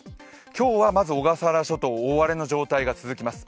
今日はまず小笠原諸島、大荒れの状態が続きます。